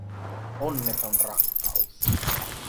Onneton rakkaus.